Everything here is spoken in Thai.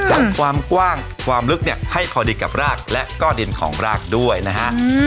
และความกว้างความลึกเนี่ยให้พอดีกับรากและก็ดินของรากด้วยนะฮะ